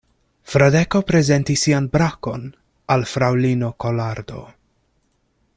Fradeko prezentis sian brakon al fraŭlino Kolardo.